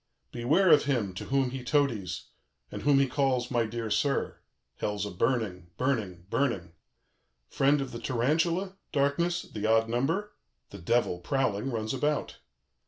"Beware of him to whom he toadies, and whom he calls 'My dear sir.' Hell's a burning, burning, burning. "Friend of the tarantula, darkness, the odd number, the Devil, prowling, runs about.